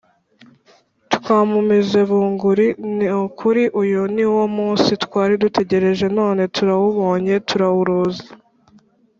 Twamumize bunguri, Ni ukuri uyu ni wo munsi twari dutegereje, None turawubonye, turawuruzi.